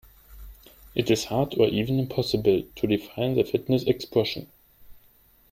It is hard or even impossible to define the fitness expression.